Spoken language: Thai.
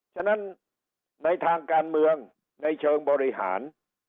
ฉะนั้นในทางการเมืองในเชิงบริหาร